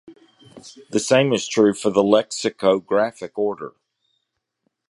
The same is true for the lexicographic order.